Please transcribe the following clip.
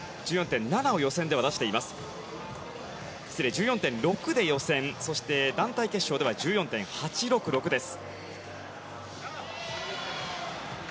１４．６で予選そして団体決勝では１４．８６６です。